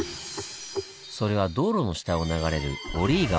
それは道路の下を流れる折居川。